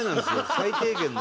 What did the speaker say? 最低限の。